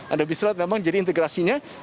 anda bisa lihat memang jadi integrasinya